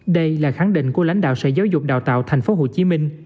đây là khẳng định của lãnh đạo sở giáo dục đào tạo tp hcm